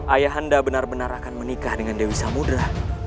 ayah anda benar benar akan menikah dengan dewi samudra